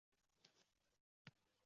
Eri o’lsa, xotinini